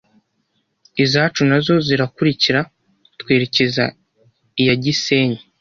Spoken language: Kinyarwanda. izacu nazo zirakurikira twerekeza iya Gisenyi